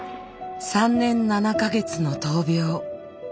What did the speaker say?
３年７か月の闘病。